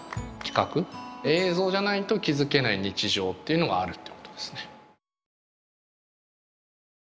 映像じゃないと気付けない日常っていうのがあるってことですね。